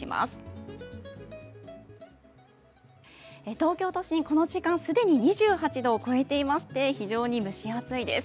東京都心、この時間、既に２８度を超えていまして非常に蒸し暑いです。